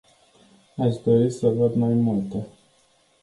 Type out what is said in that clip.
Aș fi dorit să văd mai multe.